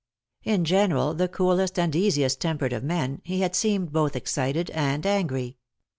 In general the coolest and easiest tempered of men, he had seemed both excited and angry.